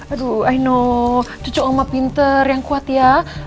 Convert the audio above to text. aduh i know cucuk oma pinter yang kuat ya